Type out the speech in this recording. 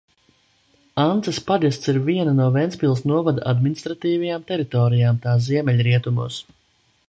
Ances pagasts ir viena no Ventspils novada administratīvajām teritorijām tā ziemeļrietumos.